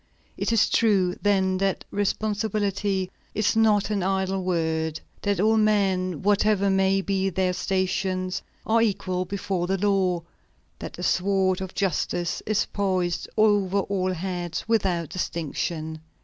It is true, then, that responsibility is not an idle word; that all men, whatever may be their stations, are equal before the law; that the sword of justice is poised over all heads without distinction."